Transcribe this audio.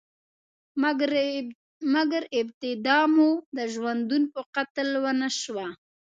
مګر، ابتدا مو د ژوندون په قتل ونشوه؟